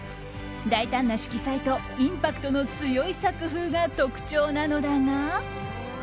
大胆な色彩とインパクトの強い作風が特徴なのだが。